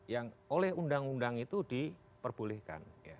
yang oleh undang undang itu diperbolehkan